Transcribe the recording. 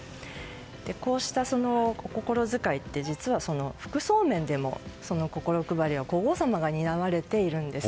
こうしたお心づかいって、実は服装面でもその心配りは皇后さまが担われているんです。